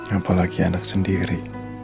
apalagi anak sendiri